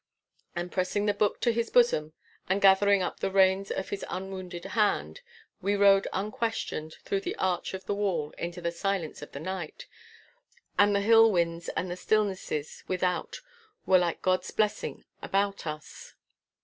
And pressing the Book to his bosom, and gathering up the reins in his unwounded hand, we rode unquestioned through the arch of the wall into the silence of the night. And the hill winds and the stillnesses without were like God's blessing about us.